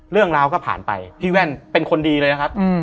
เรื่องราวก็ผ่านไปพี่แว่นเป็นคนดีเลยนะครับ